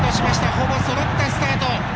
ほぼそろったスタート！